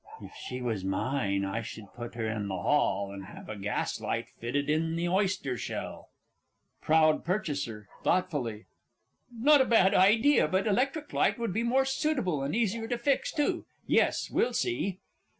If she was mine, I should put her in the hall, and have a gaslight fitted in the oyster shell. P. P. (thoughtfully). Not a bad idea. But electric light would be more suitable, and easier to fix too. Yes we'll see.